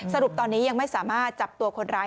สรุปตอนนี้ยังไม่สามารถจับตัวคนร้าย